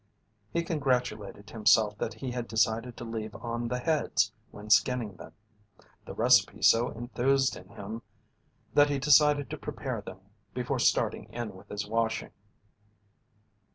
He congratulated himself that he had decided to leave on the heads when skinning them. The recipe so enthused him that he decided to prepare them before starting in with his washing.